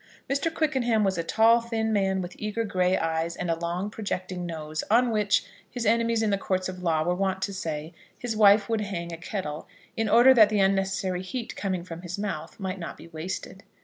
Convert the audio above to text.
Mr. Quickenham was a tall, thin man, with eager gray eyes, and a long projecting nose, on which, his enemies in the courts of law were wont to say, his wife would hang a kettle, in order that the unnecessary heat coming from his mouth might not be wasted.